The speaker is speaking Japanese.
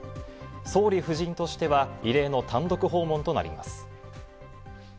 総理夫人としては異例の単独訪問となります。